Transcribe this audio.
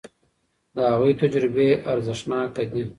د هغوی تجربې ارزښتناکه دي.